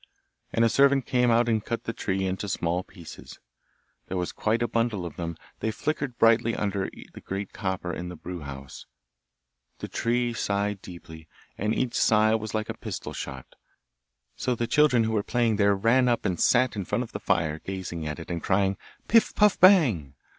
And a servant came and cut the tree into small pieces, there was quite a bundle of them; they flickered brightly under the great copper in the brew house; the tree sighed deeply, and each sigh was like a pistol shot; so the children who were playing there ran up, and sat in front of the fire, gazing at it, and crying, 'Piff! puff! bang!